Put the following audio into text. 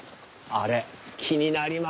あれ気になりますよ。